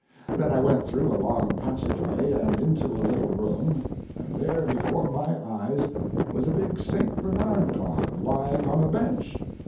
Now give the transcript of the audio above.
Then I went through a long passageway and into a little room, and there before my eyes was a big St. Bernard dog lying on a bench.